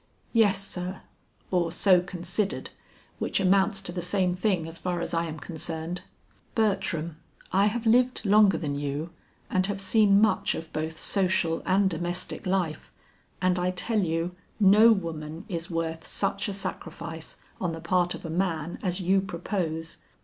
"Yes, sir, or so considered, which amounts to the same thing, as far as I am concerned." "Bertram, I have lived longer than you and have seen much of both social and domestic life, and I tell you no woman is worth such a sacrifice on the part of a man as you propose.